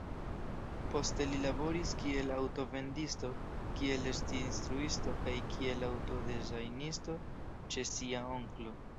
Poste li laboris kiel aŭto-vendisto, kiel stir-instruisto kaj kiel aŭto-dezajnisto ĉe sia onklo.